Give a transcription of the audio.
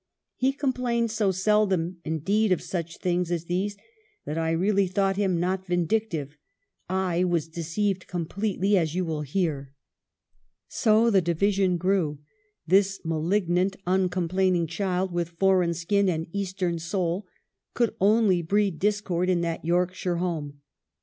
He complained so seldom, indeed, of such things as these that I really thought him not vindictive ; I was deceived completely, as you will hear." So the division grew. This malignant, un complaining child, with foreign skin and Eastern soul, could only breed discord in that Yorkshire home.